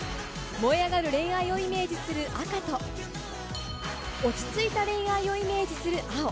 燃え上がる恋愛をイメージする赤と、落ち着いた恋愛をイメージする青。